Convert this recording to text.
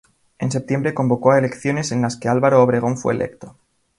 En septiembre convocó a elecciones, en las que Álvaro Obregón fue electo.